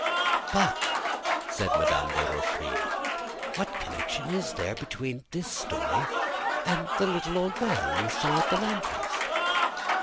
"But," said Madame de Rochefide, "what connection is there between this story and the little old man we saw at the Lantys'?"